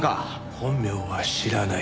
本名は知らない。